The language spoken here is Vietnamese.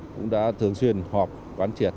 cũng đã thường xuyên họp quán triệt